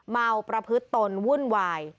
เมาประพฤตนวุ่นวาย